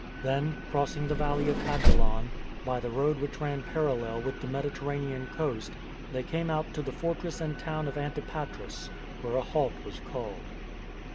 Then, crossing the valley of Ajilon, by the road which ran parallel with the Mediterranean coast, they came out to the fortress and town of Antipatris,^ where a halt was called.